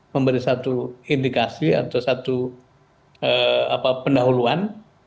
memberi satu indikasi atau satu pendahuluan